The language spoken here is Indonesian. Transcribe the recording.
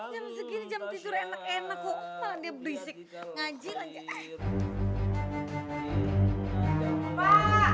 jam segini jam tidur enak enak kok dia berisik ngaji aja